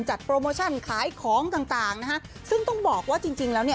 จัดโปรโมชั่นขายของต่างซึ่งต้องบอกว่าจริงแล้วเนี่ย